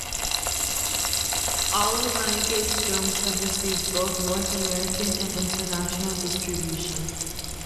All of Renegade's films have received both North American and international distribution.